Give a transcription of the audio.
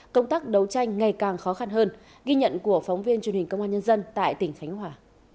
công tác đấu tranh ngày càng khó khăn hơn ghi nhận của phóng viên truyền hình công an nhân dân tại tỉnh khánh hòa